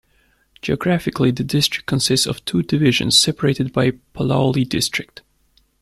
Geographically, the district consists of two divisions separated by Palauli district.